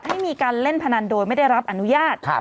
ให้มีการเล่นพนันโดยไม่ได้รับอนุญาต